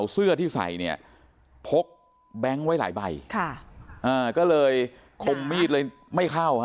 เสื้อที่ใส่เนี่ยพกแบงค์ไว้หลายใบค่ะอ่าก็เลยคมมีดเลยไม่เข้าฮะ